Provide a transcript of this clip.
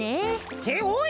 っておい！